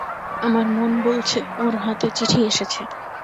আমার মন বলছে ওঁর হাতে চিঠি এসেছে।